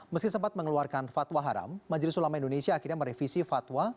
meski sempat mengeluarkan fatwa haram majelis ulama indonesia akhirnya merevisi fatwa